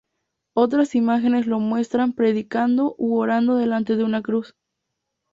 Otras imágenes lo muestran predicando u orando delante de una Cruz.